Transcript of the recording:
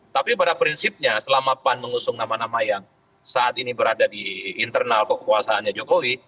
tapi pada prinsipnya selama pan mengusung nama nama yang saat ini berada di internal kekuasaannya jokowi